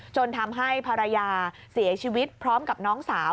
จนทำให้ภรรยาเสียชีวิตพร้อมกับน้องสาว